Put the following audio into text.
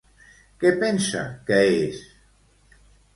Què pensa que és?